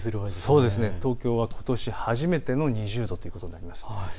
東京はことし初めての２０度ということになります。